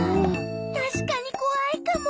たしかにこわいかも。